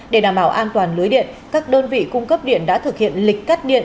để đảm bảo an toàn lưới điện các đơn vị cung cấp điện đã thực hiện lịch cắt điện